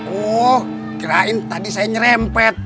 oh kirain tadi saya nyerempet